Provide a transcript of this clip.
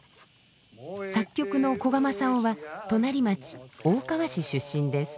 作曲の古賀政男は隣町大川市出身です。